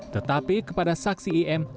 tetapi kepada saksi im